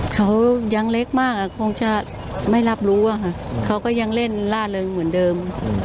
เขายังเล็กมากคงจะไม่รับรู้อะค่ะเขาก็ยังเล่นล่าเริงเหมือนเดิม